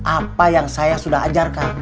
apa yang saya sudah ajarkan